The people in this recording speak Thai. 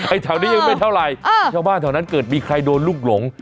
แถวนี้ยังไม่เท่าไหร่ชาวบ้านแถวนั้นเกิดมีใครโดนลูกหลง